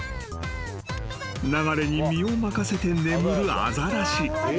［流れに身を任せて眠るアザラシ］